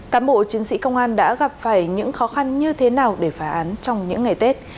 cán bộ chiến sĩ công an đã gặp phải những khó khăn như thế nào để phá án trong những ngày tết